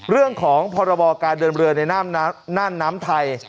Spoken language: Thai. เรื่องของพรบการเดินเรือในน่านน้ำไทย